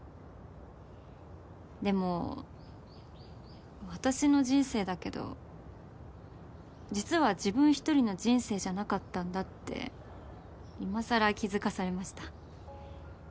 でも私の人生だけど実は自分一人の人生じゃなかったんだっていまさら気付かされました。